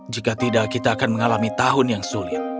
jika tidak kita akan mengalami tahun yang sulit